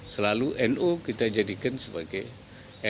selalu no kita jadikan sebagai no